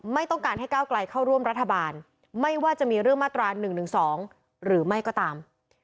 ไม่ต้องการให้ก้าวไกลเข้าร่วมรัฐบาลไม่ว่าจะมีเรื่องมาตรา๑๑๒หรือไม่ก็ตาม